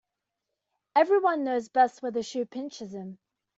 Every one knows best where the shoe pinches him.